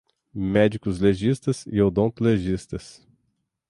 Médicos legistas e odontolegistas